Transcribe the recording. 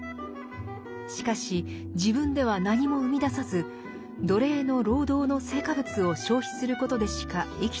しかし自分では何も生み出さず奴隷の労働の成果物を消費することでしか生きていけません。